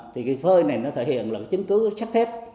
thì cái phơi này nó thể hiện là chứng cứ sát thép